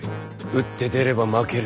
打って出れば負ける。